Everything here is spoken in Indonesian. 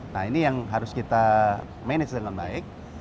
nah ini yang harus kita manage dengan baik